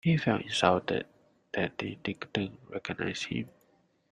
He felt insulted that they didn't recognise him.